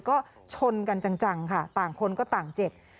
ก็ชนกันจังค่ะต่างคนก็ต่างเจ็บ